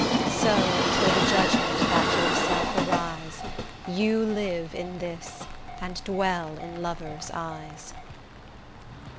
So, till the judgment that yourself arise, You live in this, and dwell in lovers' eyes.